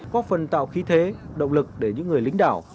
có phần tạo khí thế động lực để những người lính đảo